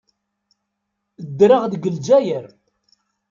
Ddreɣ deg Lezzayer.